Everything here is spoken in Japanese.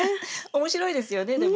面白いですよねでも。